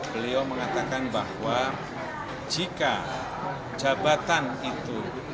beliau mengatakan bahwa jika jabatan itu